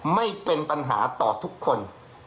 ไม่เป็นปัญหาต่อทุกคน